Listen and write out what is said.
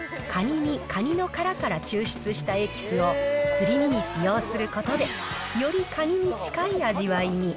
身、カニの殻から抽出したエキスをすり身に使用することで、よりカニに近い味わいに。